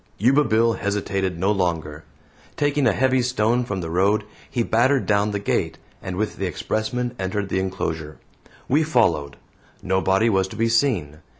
Yuba Bill hesitated no longer. Taking a heavy stone from the road, he battered down the gate, and with the expressman entered the enclosure. We followed. Nobody was to be seen.